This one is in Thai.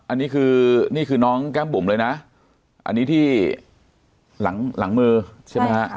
อันนี้คือนี่คือน้องแก้มบุ๋มเลยนะอันนี้ที่หลังมือใช่ไหมฮะ